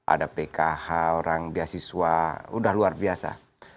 ada pkh orang beasiswa udah luar biasa